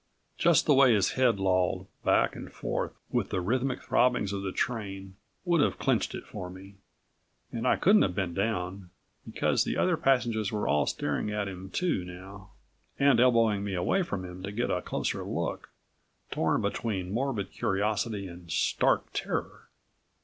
Just the way his head lolled, back and forth with the rhythmic throbbings of the train, would have clinched it for me. And I couldn't have bent down, because the other passengers were all staring at him too now, and elbowing me away from him to get a closer look, torn between morbid curiosity and stark terror.